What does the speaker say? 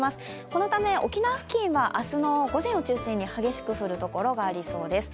このため沖縄付近は明日の午前を中心に激しく降るところがありそうです。